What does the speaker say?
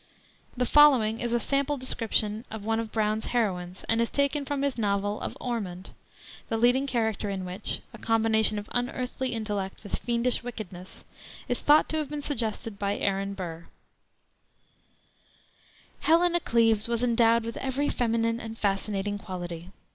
The following is a sample description of one of Brown's heroines, and is taken from his novel of Ormond, the leading character in which a combination of unearthly intellect with fiendish wickedness is thought to have been suggested by Aaron Burr: "Helena Cleves was endowed with every feminine and fascinating quality.